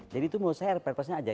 jadi itu menurut saya reprepasnya ajaib